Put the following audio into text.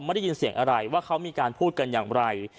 ได้ยินเสียงอะไรว่าเขามีการพูดกันอย่างไร